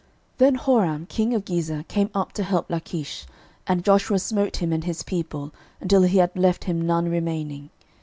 06:010:033 Then Horam king of Gezer came up to help Lachish; and Joshua smote him and his people, until he had left him none remaining.